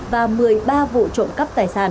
và một mươi ba vụ trộm cắp tài sản